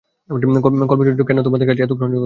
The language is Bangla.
কল্পগল্পের চরিত্র কেন তোমাদের কাছে এত গ্রহণযোগ্যতা পেল?